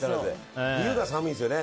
冬が寒いんですよね。